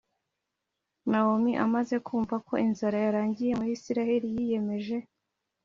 Nawomi amaze kumva ko inzara yarangiye muri Isirayeli yiyemeje